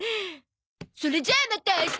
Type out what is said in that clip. それじゃあまた明日。